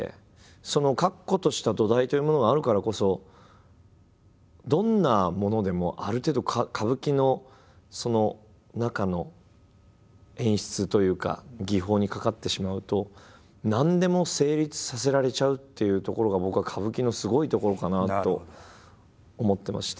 その確固とした土台というものがあるからこそどんなものでもある程度歌舞伎のその中の演出というか技法にかかってしまうと何でも成立させられちゃうっていうところが僕は歌舞伎のすごいところかなと思ってまして。